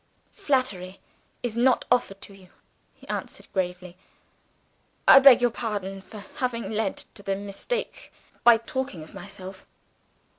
"Flattery is not offered to you," he answered gravely. "I beg your pardon for having led to the mistake by talking of myself."